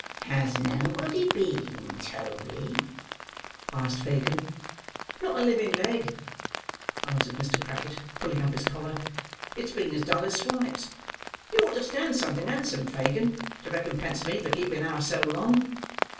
"Has nobody been, Toby?" asked Fagin. "Not a living leg," answered Mr. Crackit, pulling up his collar; "it's been as dull as swipes. You ought to stand something handsome, Fagin, to recompense me for keeping house so long.